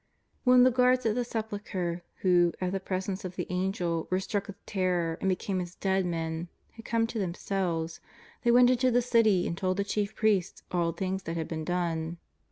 When the guards at the Sepulchre, who, at the pres ence of the Angel, were struck with terror and became as dead men, had come to themselves, they went into the City and told the chief priests all things that had been done.